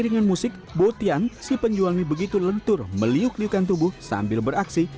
dengan musik botian si penjual mie begitu lentur meliuk liukan tubuh sambil beraksi